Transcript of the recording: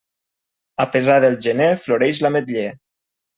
A pesar del gener floreix l'ametller.